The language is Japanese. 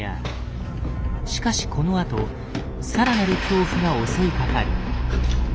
しかしこのあとさらなる恐怖が襲いかかる。